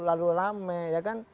lalu rame ya kan